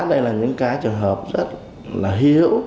đây là những cái trường hợp rất là hiểu